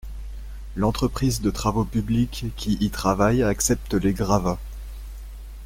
L’entreprise de travaux publics qui y travaille accepte les gravats.